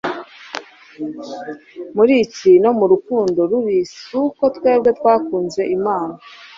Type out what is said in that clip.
Muri iki ni mo urukundo ruri: si uko twebwe twakunze Imana,